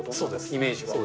イメージは。